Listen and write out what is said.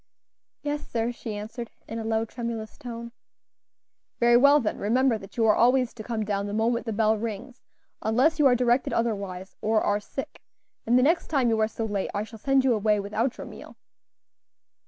"Yes, sir," she answered, in a low, tremulous tone. "Very well, then; remember that you are always to come down the moment the bell rings, unless you are directed otherwise, or are sick; and the next time you are so late, I shall send you away without your meal."